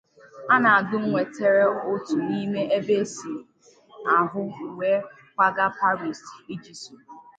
Anadu nwetara otu n'ime ebe isii ahụ wee kwaga Paris iji soro.